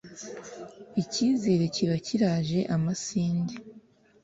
icyizere kiba kiraje amasinde !